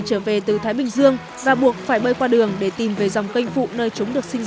trở về từ thái bình dương và buộc phải bơi qua đường để tìm về dòng canh phụ nơi chúng được sinh